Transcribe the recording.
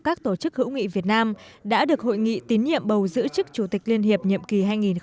các tổ chức hữu nghị việt nam đã được hội nghị tín nhiệm bầu giữ chức chủ tịch liên hiệp nhiệm kỳ hai nghìn một mươi ba hai nghìn một mươi tám